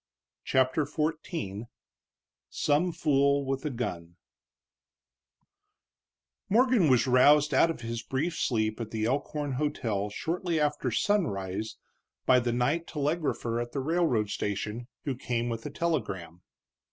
CHAPTER XIV SOME FOOL WITH A GUN Morgan was roused out of his brief sleep at the Elkhorn hotel shortly after sunrise by the night telegrapher at the railroad station, who came with a telegram.